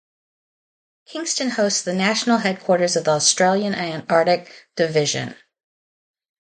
Kingston hosts the national headquarters of the Australian Antarctic Division.